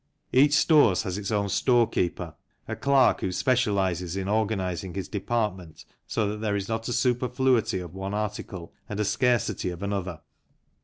Each stores has its own storekeeper, a clerk who specializes in organizing his department so that there is not a superfluity of one article and a scarcity of another.